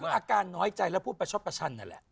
คืออาการน้อยใจและผู้ประชบประชันนั่นแหละ